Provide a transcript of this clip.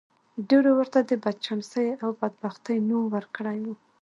ډېرو ورته د بدچانسۍ او بدبختۍ نوم ورکړی دی.